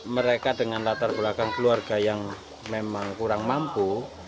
mereka dengan latar belakang keluarga yang memang kurang mampu